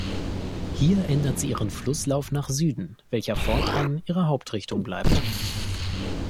Hier ändert sie ihren Flusslauf nach Süden, welcher fortan ihre Hauptrichtung bleibt.